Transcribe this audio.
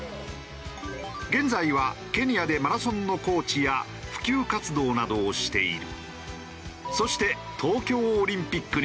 現在はケニアでマラソンのコーチや普及活動などをしている。